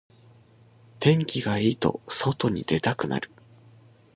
天気がいいと外に出たくなる